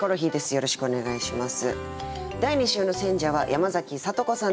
よろしくお願いします。